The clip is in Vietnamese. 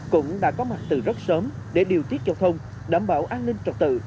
cũng đã có mặt từ rất sớm để điều tiết giao thông đảm bảo an ninh trật tự